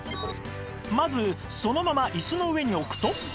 まずそのまま椅子の上に置くと